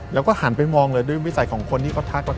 แล้วก็หันไปมองเลยด้วยวิสัยของคนที่เขาทัก